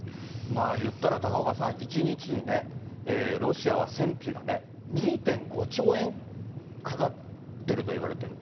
まあいったら、高岡さん、１日にね、ロシアは戦費が２．５兆円かかってるといわれてる。